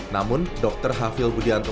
namun dr hafir budianto